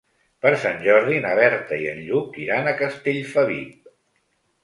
Per Sant Jordi na Berta i en Lluc iran a Castellfabib.